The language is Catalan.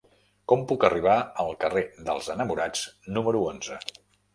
Com puc arribar al carrer dels Enamorats número onze?